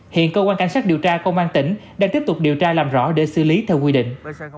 hiện cơ quan cảnh sát điều tra công an tỉnh đang tiếp tục điều tra làm rõ để xử lý theo quy định